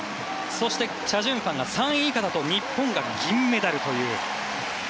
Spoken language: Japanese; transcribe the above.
そしてチャ・ジュンファンが３位以下だと日本が銀メダルという。